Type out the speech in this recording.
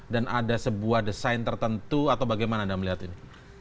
dan ada sebuah desain tertentu atau bagaimana anda melihat ini